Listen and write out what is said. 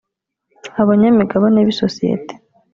abanyamigabane b’isosiyete